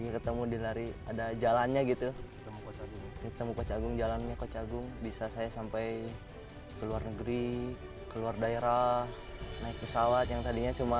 ketemu di lari ada jalannya gitu ketemu kocagung jalannya kocagung bisa saya sampai ke luar negeri ke luar daerah naik pesawat yang tadinya cuma